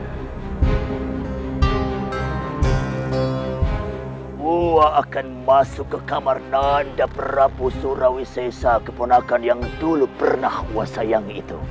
gua akan masuk ke kamar nanda perapu surawi sesa keponakan yang dulu pernah gua sayangi itu